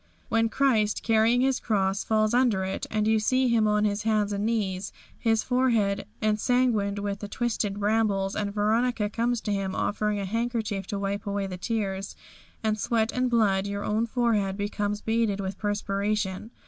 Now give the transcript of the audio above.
When Christ carrying His cross falls under it, and you see Him on His hands and knees, His forehead ensanguined with the twisted brambles, and Veronica comes to Him offering a handkerchief to wipe away the tears, and sweat and blood, your own forehead becomes beaded with perspiration.